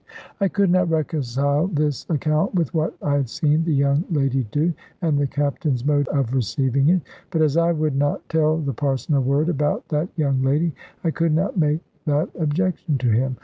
I could not reconcile this account with what I had seen the young lady do, and the Captain's mode of receiving it; but as I would not tell the Parson a word about that young lady, I could not make that objection to him.